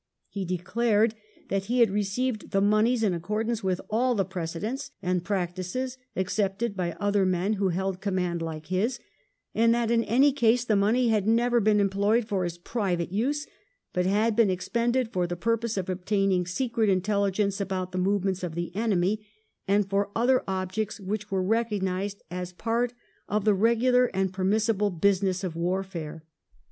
He declared that he had received the moneys in accordance with all the precedents and practices accepted by other men who held command like his, and that in any case the money had never been employed for his private use, but had been expended for the purpose of obtaining secret intelligence about the movements of the enemy, and for other objects which were recognised as part of the regular and permissible business of warfare.